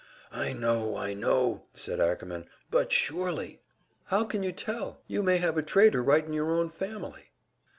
"I know, I know," said Ackerman. "But surely " "How can you tell? You may have a traitor right in your own family."